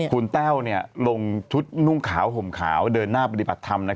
คุณแต้วลงชุดนุ่งขาวห่มขาวเดินหน้าปฏิบัติธรรม